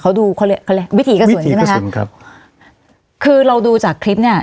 เขาดูวิธีกระสุนใช่ไหมครับวิธีกระสุนครับคือเราดูจากคลิปเนี้ย